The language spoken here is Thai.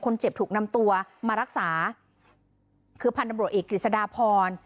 คนเจ็บถูกนำตัวมารักษาคือพันธบริกฤษฎาพร